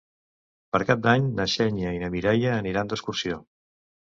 Per Cap d'Any na Xènia i na Mireia aniran d'excursió.